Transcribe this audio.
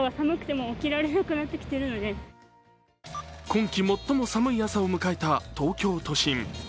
今季最も寒い朝を迎えた東京都心。